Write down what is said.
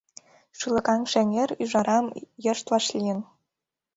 Шӱлыкаҥше эҥер ӱжарам йышт вашлийын.